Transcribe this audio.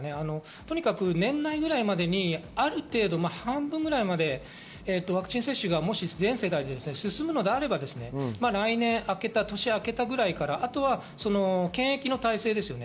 とにかく年内ぐらいまでに、ある程度、半分ぐらいまでワクチン接種が全世代で進むのであれば来年、年明けた時ぐらいからあるいは、検疫の体制ですね。